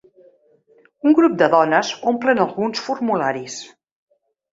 Un grup de dones omplen alguns formularis.